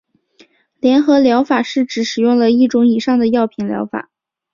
联合疗法是指使用了一种以上的药品的疗法。